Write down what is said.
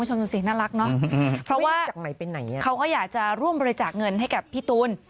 ดูสิน่ารักเนอะเพราะว่าเขาก็อยากจะร่วมบริจาคเงินให้กับพี่ตูน